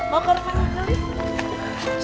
mau ke rumah nungguin